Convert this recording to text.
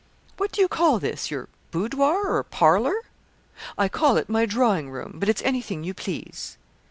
'What do you call this, your boudoir or parlour?' 'I call it my drawing room, but it's anything you please.'